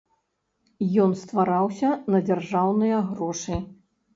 Ён ствараўся на дзяржаўныя грошы.